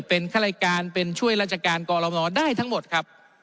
เป็นข้ารายการเป็นช่วยราชการกรมนได้ทั้งหมดครับ